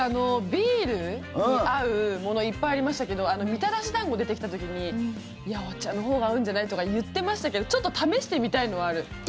ビールに合うものいっぱいありましたけどみたらし団子出てきた時にお茶のほうが合うんじゃないとか言ってましたけど１回ね。